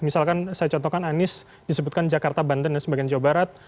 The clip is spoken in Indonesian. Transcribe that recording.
misalkan saya contohkan anies disebutkan jakarta banten dan sebagian jawa barat